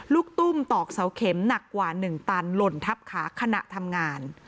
ลูกตุ้มตอกเสาเข็มหนักกว่า๑ตันหล่นทับขาขณะทำงาน